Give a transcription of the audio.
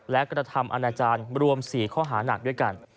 และกระทำอาณาจารย์รวม๔ข้อหานักด้วยกัน